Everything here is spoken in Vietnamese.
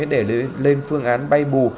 để lên phương án bay bù